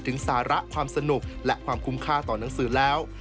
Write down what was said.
สาระความสนุกและความคุ้มค่าต่อหนังสือแล้ว